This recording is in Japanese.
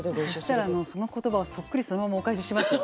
そしたらその言葉をそっくりそのままお返ししますよ。